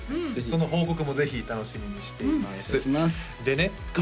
その報告もぜひ楽しみにしていますでね